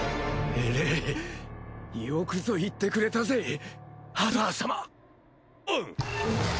えれえよくぞ言ってくれたぜハドラー様。